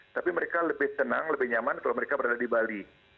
tapi mereka lebih tenang lebih nyaman kalau mereka berada di bali